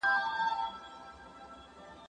په موسم د پسرلي کي د سرو ګلو